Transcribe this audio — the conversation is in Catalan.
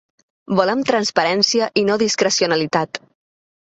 Volem transparència i no discrecionalitat.